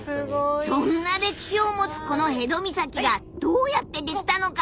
そんな歴史を持つこの辺戸岬がどうやって出来たのか見ていこう！